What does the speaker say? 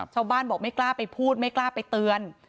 ชาวบ้านบอกไม่กล้าไปพูดไม่กล้าไปเตือน